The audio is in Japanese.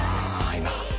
今。